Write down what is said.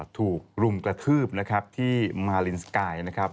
ถูกรุมกระทืบนะครับที่มารินสกายนะครับ